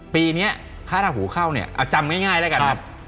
ปีนี้ค่าราหูเข้าเนี่ยเอาจำง่ายแล้วกัน